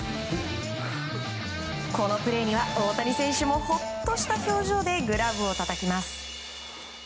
このプレーには大谷選手もほっとした表情でグラブをたたきます。